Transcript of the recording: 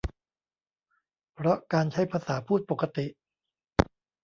เพราะการใช้ภาษาพูดปกติ